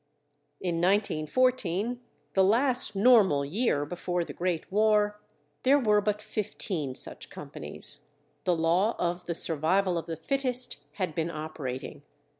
In 1914, the last normal year before the Great War, there were but fifteen such companies; the law of the survival of the fittest had been operating.